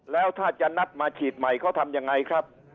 แล้วถ้าจะนัดมาฉีดใหม่เขาทำยังไงครับ